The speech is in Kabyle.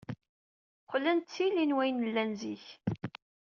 Qqlen d tili n wayen llan zik.